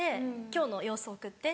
「今日の様子送って」。